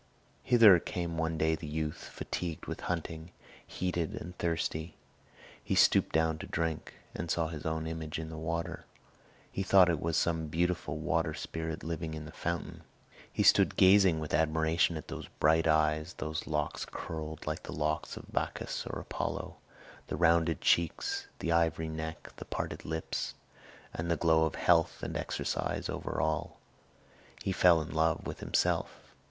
Hither came one day the youth, fatigued with hunting, heated and thirsty. He stooped down to drink, and saw his own image in the water; he thought it was some beautiful water spirit living in the fountain. He stood gazing with admiration at those bright eyes, those locks curled like the locks of Bacchus or Apollo, the rounded cheeks, the ivory neck, the parted lips, and the glow of health and exercise over all. He fell in love with himself.